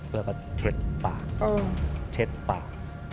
แล้วก็เช็ดปากเช็ดปาก